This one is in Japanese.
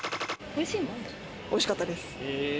美味しかったです。